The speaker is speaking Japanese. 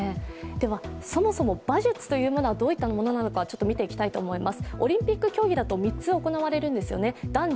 そもそも馬術というものがどういうものなのか見ていきます。